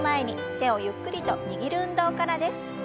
手をゆっくりと握る運動からです。